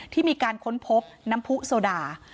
ที่มีการค้นพบน้ำผู้โซดา